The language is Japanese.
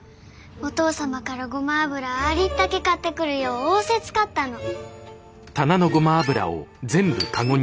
お父様からゴマ油ありったけ買ってくるよう仰せつかったの。